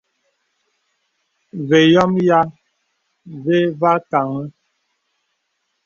Və yɔmə yìā və và kāŋə.